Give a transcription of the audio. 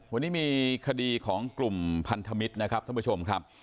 วันนี้มีคดีของกลุ่มพันธมิตรนะครับท่านผู้ชมครับ